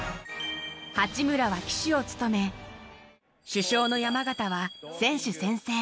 八村は旗手を務め、主将の山縣は選手宣誓。